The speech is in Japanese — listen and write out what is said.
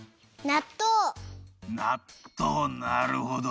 なっとうなるほど。